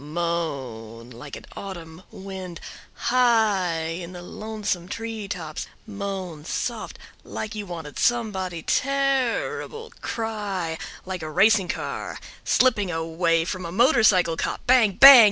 Moan like an autumn wind high in the lonesome tree tops, moan soft like you wanted somebody terrible, cry like a racing car slipping away from a motorcycle cop, bang bang!